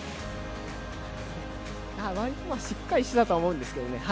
割としっかりしていたと思うんですけどね